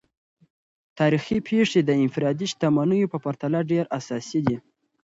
تاریخي پیښې د انفرادي شتمنیو په پرتله ډیر اساسي دي.